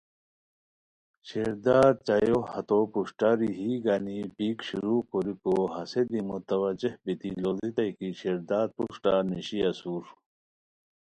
شیرداد چایو ہتو پروشٹاریی گنی پیک شروع کوریکو ہسے دی متوجہ بیتی لوڑیتائے کی شیردار پروشٹہ نیشی اسور